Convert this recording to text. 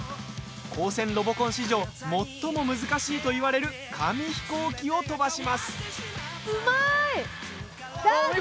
高専ロボコン史上最も難しいといわれる紙飛行機を飛ばします！